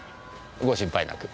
ご心配なく。